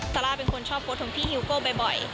ซาร่าเป็นคนชอบโพสต์ของพี่ฮิวโก้บ่อย